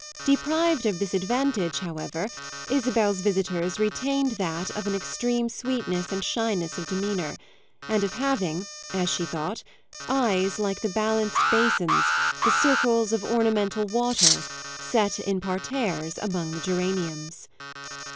Deprived of this advantage, however, Isabel's visitors retained that of an extreme sweetness and shyness of demeanour, and of having, as she thought, eyes like the balanced basins, the circles of "ornamental water," set, in parterres, among the geraniums.